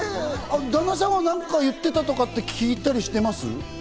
旦那さんは何か言っていたとか聞いてたりします？